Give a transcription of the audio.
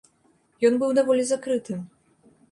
Ён быў даволі закрытым.